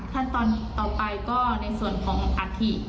ขั้นตอนต่อไปก็ในส่วนของอัฐิ